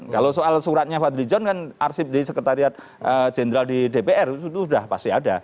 kalau soal suratnya fadli john kan arsip di sekretariat jenderal di dpr itu sudah pasti ada